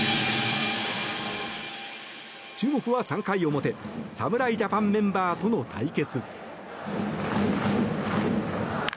注目は３回表侍ジャパンメンバーとの対決。